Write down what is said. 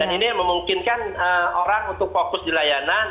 ah iya dan ini memungkinkan orang untuk fokus di layanan